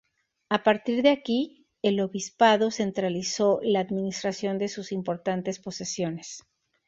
A partir de aquí, el obispado centralizó la administración de sus importantes posesiones.